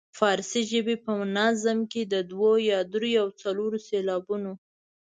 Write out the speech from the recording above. فارسي ژبې په نظم کې د دوو یا دریو او څلورو سېلابونو.